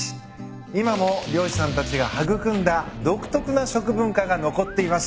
今も漁師さんたちが育んだ独特な食文化が残っています。